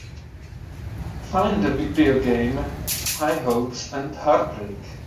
Find the video game High Hopes & Heartbreak